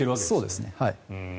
そうですね。